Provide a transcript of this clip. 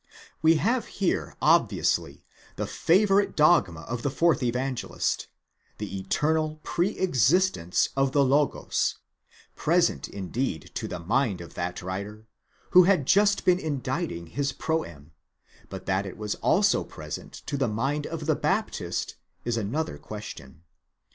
We have here obviously the favourite dogma of the fourth Evangelist, the eternal pre existence of the Adyos, present indeed to the mind of that writer, who had just been inditing his proem, but that it was also present to the mind of the Baptist is another question.